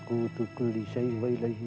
untuk ke tuna beli belah